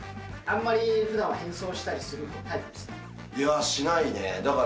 あんまりふだんは変装したりするタイプですか？